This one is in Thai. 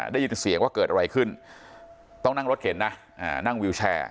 ได้ยินเสียงว่าเกิดอะไรขึ้นต้องนั่งรถเข็นนะนั่งวิวแชร์